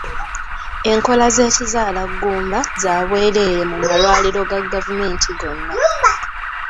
Enkola z’ekizaalaggumba za bwereere mu malwaliro ga gavumenti gonna.